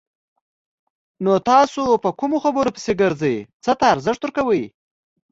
نو تاسو په کومو خبرو پسې ګرځئ! څه ته ارزښت ورکوئ؟